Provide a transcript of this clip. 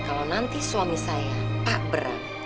kalau nanti suami saya pak berang